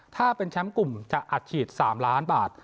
ถ้าเป็นแชมป์กลุ่มจะอัดฉีด๓ล้านบาท